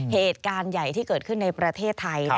เหตุการณ์ใหญ่ที่เกิดขึ้นในประเทศไทย